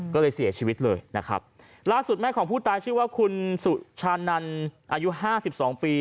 ก็เลยเสียชีวิตเลยนะครับล่าสุดแม่ของผู้ตายชื่อว่าคุณสุชานันอายุห้าสิบสองปี